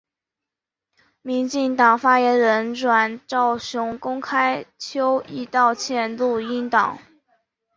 民进党发言人阮昭雄公开邱毅道歉录音档。